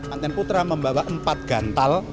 anten putra membawa empat gantal